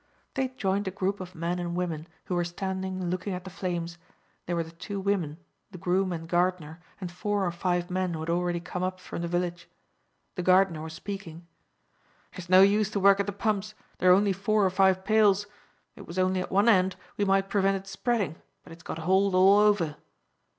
They joined a group of men and women, who were standing looking at the flames: they were the two women, the groom and gardener, and four or five men who had already come up from the village. The gardener was speaking. "It's no use to work at the pumps; there are only four or five pails. If it was only at one end we might prevent its spreading, but it's got hold all over."